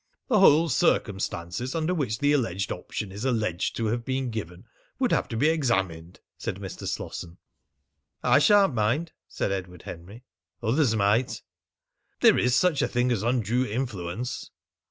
"The whole circumstances under which the alleged option is alleged to have been given would have to be examined," said Mr. Slosson. "I sha'n't mind," said Edward Henry; "others might." "There is such a thing as undue influence."